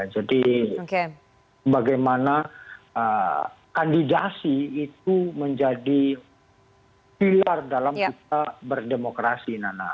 jadi bagaimana kandidasi itu menjadi pilar dalam kita berdemokrasi nana